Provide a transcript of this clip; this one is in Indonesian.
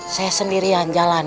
saya sendirian jalan